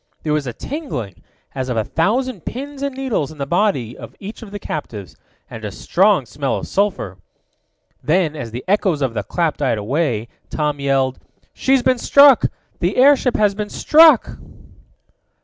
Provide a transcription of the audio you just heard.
There was a tingling, as of a thousand pins and needles in the body of each of the captives, and a strong smell of sulphur. Then, as the echoes of the clap died away, Tom yelled: "She's been struck! The airship has been struck!"